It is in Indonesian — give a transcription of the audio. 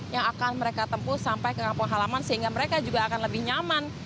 yang akan mereka tempuh sampai ke kampung halaman sehingga mereka juga akan lebih nyaman